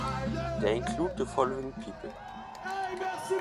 They include the following people.